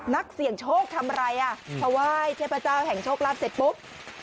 นักเสี่ยงโชคทำอะไรอ่ะพอไหว้เทพเจ้าแห่งโชคลาภเสร็จปุ๊บ